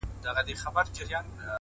د کوټې خاموشي د فکر غږ لوړوي